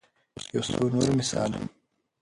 يو څو نور مثالونه